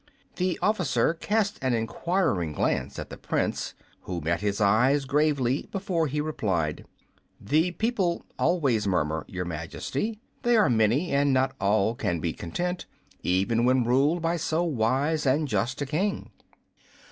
The officer cast an enquiring glance at the Prince, who met his eyes gravely, before he replied, "The people always murmur, Your Majesty. They are many, and not all can be content, even when ruled by so wise and just a King.